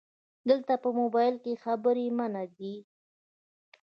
📵 دلته په مبایل کې خبري منع دي